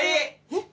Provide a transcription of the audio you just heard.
えっ？